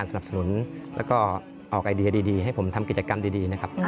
สนับสนุนแล้วก็ออกไอเดียดีให้ผมทำกิจกรรมดีนะครับ